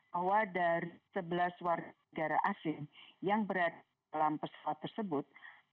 bahwa dari sebelas warga negara asing yang berada dalam pesawat tersebut